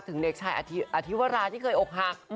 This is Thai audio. เด็กชายอธิวราที่เคยอกหัก